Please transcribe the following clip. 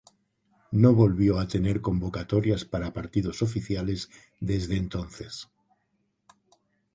No volvió a tener convocatorias para partidos oficiales desde entonces.